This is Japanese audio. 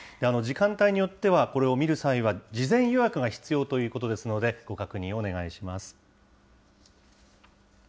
時間帯によってはこれを見る際は事前予約が必要ということですので、ご確認をお願いします。